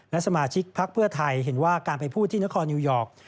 และสมาชิกพักเพื่อไทยเห็นว่าการไปพูดที่นครนิวยอร์ก